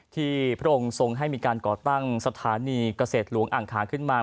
พระองค์ทรงให้มีการก่อตั้งสถานีเกษตรหลวงอ่างขาขึ้นมา